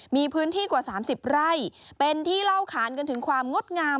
มีพื้นที่กว่า๓๐ไร่เป็นที่เล่าขานกันถึงความงดงาม